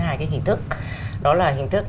hai cái hình thức đó là hình thức